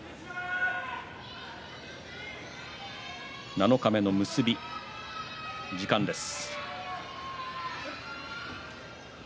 七日目の結び、時間です。